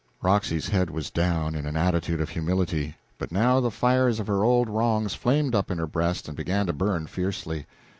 Roxy's head was down, in an attitude of humility. But now the fires of her old wrongs flamed up in her breast and began to burn fiercely.